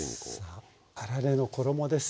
さああられの衣です。